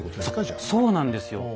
そうなんですよ。